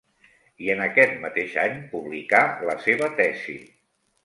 I en aquest mateix any publicà la seva tesi.